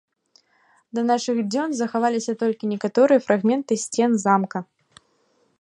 Да нашых дзён захаваліся толькі некаторыя фрагменты сцен замка.